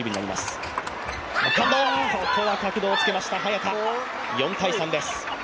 ここは角度をつけました、早田、４−３です。